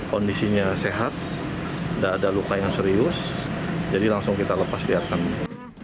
kondisinya sehat tidak ada luka yang serius jadi langsung kita lepas biarkan